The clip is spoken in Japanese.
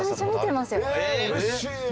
うれしい。